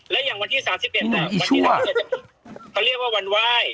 แล้วอย่างวันที่๓๑เนี่ยวันที่๓๑เขาเรียกว่าวันไหว้เขาไม่เรียกวันสุดจีน